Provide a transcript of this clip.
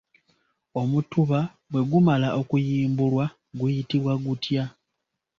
Omutuba bwe gumala okuyimbulwa guyitibwa gutya?